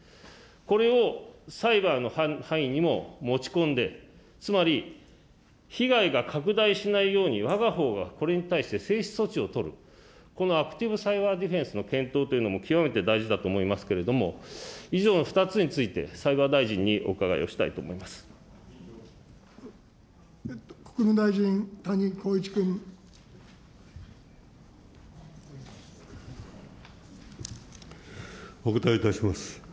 これをサイバーの範囲にも持ち込んで、つまり、被害が拡大しないように、わがほうがこれに対して制止措置を取る、このアクティブサイバーディフェンスの検討というのも極めて大事だと思いますけれども、以上の２つについて、サイバー大臣にお伺国務大臣、お答えいたします。